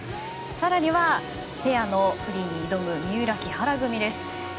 さらにペアのフリーに挑む三浦・木原組です。